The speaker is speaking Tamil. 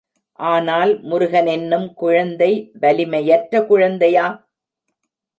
ஆனால் முருகனென்னும் குழந்தை வலிமையற்ற குழந்தையா?